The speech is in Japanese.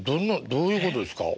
どういうことですか？